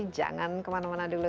jangan kemana mana dulu